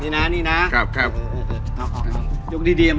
นี่นะนี่นะครับครับเออเออเออ